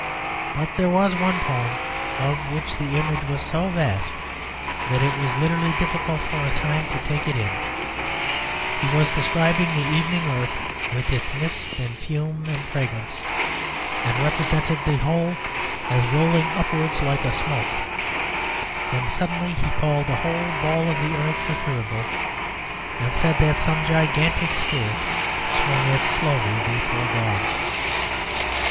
But there was one poem of which the image was so vast that it was literally difficult for a time to take it in; he was describing the evening earth with its mist and fume and fragrance, and represented the whole as rolling upwards like a smoke; then suddenly he called the whole ball of the earth a thurible, and said that some gigantic spirit swung it slowly before God.